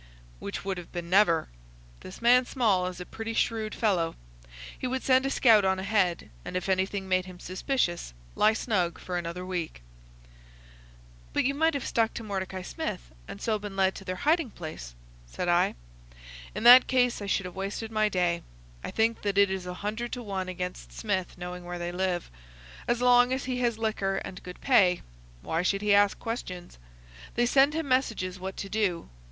"Which would have been never. This man Small is a pretty shrewd fellow. He would send a scout on ahead, and if anything made him suspicious lie snug for another week." "But you might have stuck to Mordecai Smith, and so been led to their hiding place," said I. "In that case I should have wasted my day. I think that it is a hundred to one against Smith knowing where they live. As long as he has liquor and good pay, why should he ask questions? They send him messages what to do.